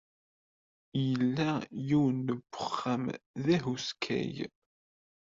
Ila yiwen n uxxam d ahuskay.